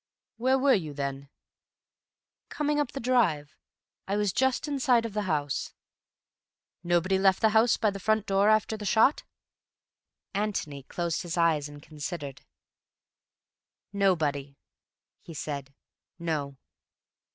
"Where were you then?" "Coming up the drive. I was just in sight of the house." "Nobody left the house by the front door after the shot?" Antony closed his eyes and considered. "Nobody," he said. "No."